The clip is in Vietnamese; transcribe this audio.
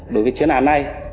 đối với chuyên án này